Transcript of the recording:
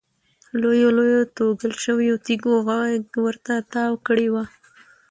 لویو لویو توږل شویو تیږو غېږ ورته تاو کړې وه.